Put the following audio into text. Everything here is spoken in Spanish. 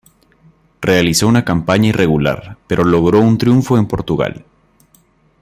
Realizó una campaña irregular pero logró un triunfo en Portugal.